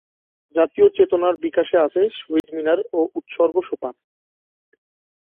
জাতীয় চেতনার বিকাশে আছে শহীদ মিনার ও উৎসর্গ সোপান।